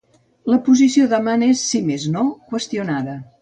La posició d'amant és, si més no, qüestionada.